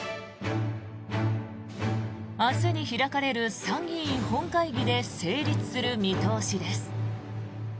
明日に開かれる参議院本会議で成立する見通しです。